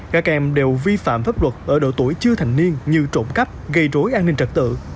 các em đều vi phạm pháp luật ở độ tuổi chưa thành niên như trộm cắp gây rối an ninh trật tự